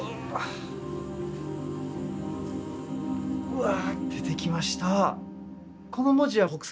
うわ出てきました。